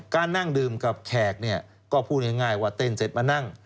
นั่งดื่มกับแขกเนี่ยก็พูดง่ายว่าเต้นเสร็จมานั่ง